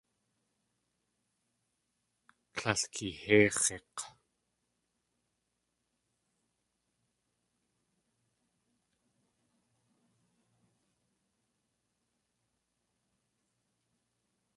Líl keehéix̲ik̲!